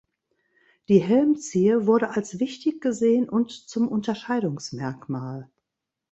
Die Helmzier wurde als wichtig gesehen und zum Unterscheidungsmerkmal.